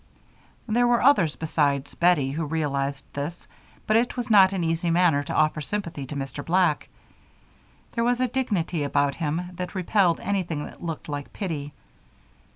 There were others besides Bettie who realized this, but it was not an easy matter to offer sympathy to Mr. Black there was a dignity about him that repelled anything that looked like pity.